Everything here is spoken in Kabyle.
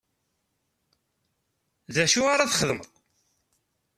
D acu ara txedmeḍ?